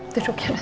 duduk ya nasa